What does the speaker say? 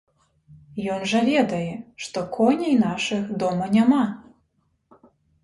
Ён жа ведае, што коней нашых дома няма.